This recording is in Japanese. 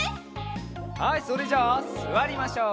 はいそれじゃあすわりましょう。